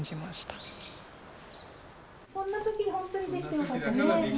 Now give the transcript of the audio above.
こんな時に本当にできてよかったです。